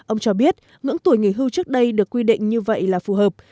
ông cho biết ngưỡng tuổi nghỉ hưu trước đây được quy định như vậy là phù hợp